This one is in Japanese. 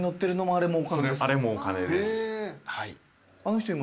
あれもお金です。